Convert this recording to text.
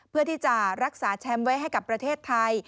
เพื่อที่จะรักษาแชมป์ไว้ให้กับประเทศไทย